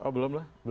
oh belum lah